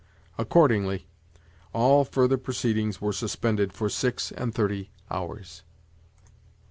Accordingly, all further proceedings were suspended for six and thirty hours.